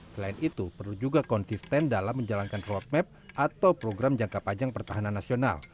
selain itu perlu juga konsisten dalam menjalankan roadmap atau program jangka panjang pertahanan nasional